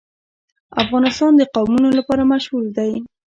افغانستان د قومونه لپاره مشهور دی.